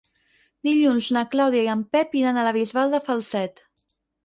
Dilluns na Clàudia i en Pep iran a la Bisbal de Falset.